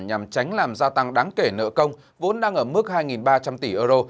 nhằm tránh làm gia tăng đáng kể nợ công vốn đang ở mức hai ba trăm linh tỷ euro